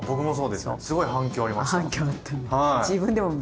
すごい反響ありました。